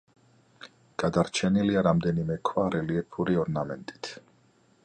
გადარჩენილია რამდენიმე ქვა რელიეფური ორნამენტით.